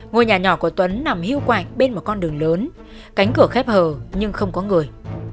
ngôi nhà nhỏ của tuấn nằm hưu quạch bên một con đường lớn cánh cửa khép hờ nhưng không có người